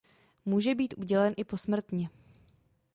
Může být udělen i posmrtně.